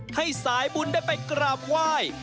ให้สายบุญได้ไปกราบไหว้